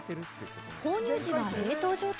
購入時は冷凍状態。